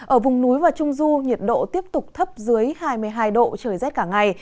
ở vùng núi và trung du nhiệt độ tiếp tục thấp dưới hai mươi hai độ trời rét cả ngày